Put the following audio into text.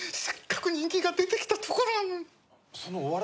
せっかく人気が出てきたところなのに。